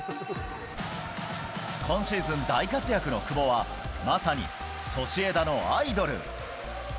今シーズン、大活躍の久保は、まさにソシエダのアイドル。